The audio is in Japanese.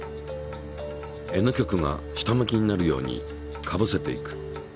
Ｎ極が下向きになるようにかぶせていく。